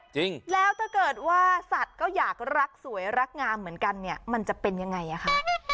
จริงแล้วถ้าเกิดว่าสัตว์ก็อยากรักสวยรักงามเหมือนกันเนี่ยมันจะเป็นยังไงอ่ะคะ